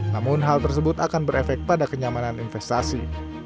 namun hal tersebut akan berefek pada kenyamanan investasi